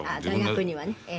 大学にはねええ。